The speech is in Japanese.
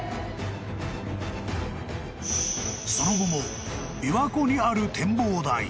［その後も琵琶湖にある展望台